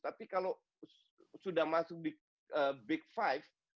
tapi kalau sudah masuk di big five